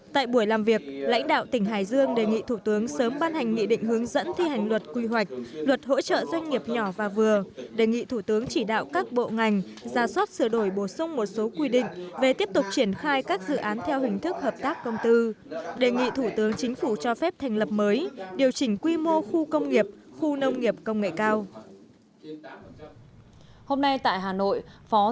tại buổi làm việc lãnh đạo tỉnh hải dương đề nghị thủ tướng sớm ban hành nghị định hướng dẫn thi hành luật quy hoạch luật hỗ trợ doanh nghiệp nhỏ và vừa đề nghị thủ tướng chỉ đạo các bộ ngành gia soát sửa đổi bổ sung một số quy định về tiếp tục triển khai các dự án theo hình thức hợp tác công tư đề nghị thủ tướng chính phủ cho phép thành lập mới điều chỉnh quy mô khu công nghiệp khu nông nghiệp công nghệ cao